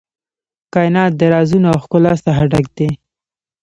کائنات د رازونو او ښکلا څخه ډک دی.